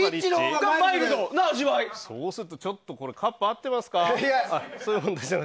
そうすると、ちょっとカップ合ってますか？